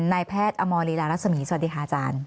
นายแพทย์อมรลีดารัศมีสวัสดีค่ะอาจารย์